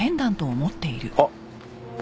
あっ？